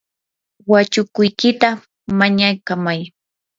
wachukuykita mañaykamay.